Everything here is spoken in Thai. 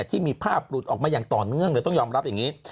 ที่มีภาพหลุดออกมาอย่างต่อเนื่องเลยต้องยอมรับอย่างนี้